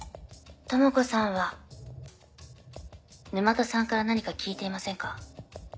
智子さんは沼田さんから何か聞いていませんか？